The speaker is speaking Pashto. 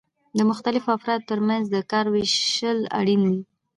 د مختلفو افرادو ترمنځ د کار ویشل اړین دي.